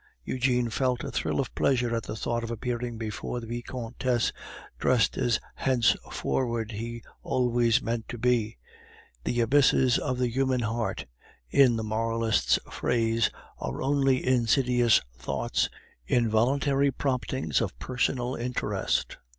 Eugene felt a thrill of pleasure at the thought of appearing before the Vicomtesse, dressed as henceforward he always meant to be. The "abysses of the human heart," in the moralists' phrase, are only insidious thoughts, involuntary promptings of personal interest.